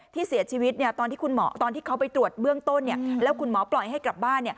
ที่เสียชีวิตตอนที่คุณหมอตอนที่เขาไปตรวจเบื้องต้นแล้วคุณหมอปล่อยให้กลับบ้าน